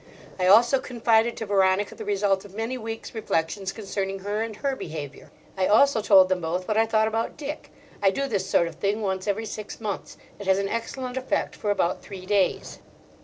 I also confided to Veronica the result of many weeks' reflections concerning her and her behaviour. I also told them both what I thought about Dick. I do this sort of thing once every six months: it has an excellent effect for about three days.